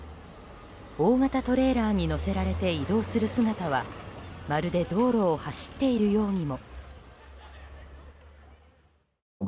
大型トレーラーに載せられて移動する姿はまるで道路を走っているようにも。